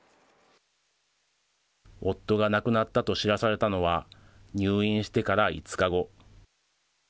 夫が亡くなったと知らされたのは、入院してから５日後。